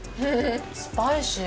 スパイシー。